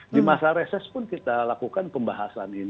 di masa reses pun kita lakukan pembahasan ini